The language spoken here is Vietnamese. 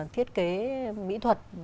thiết kế mỹ thuật